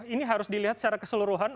ini harus dilihat secara keseluruhan